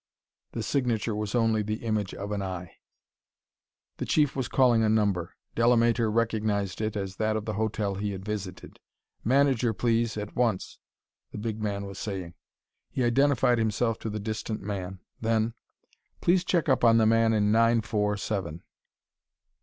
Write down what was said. The signature was only the image of an eye. The Chief was calling a number; Delamater recognized it as that of the hotel he had visited. "Manager, please, at once," the big man was saying. He identified himself to the distant man. Then: "Please check up on the man in nine four seven.